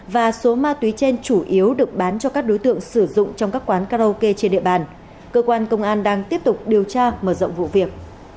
và số ma túy trên chủ yếu được bán cho các đối tượng sử dụng trong các quán karaoke trên địa bàn cơ quan công an đang tiếp tục điều tra mở rộng vụ việc